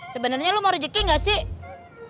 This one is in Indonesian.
sebenarnya lo mau rejeki gak sih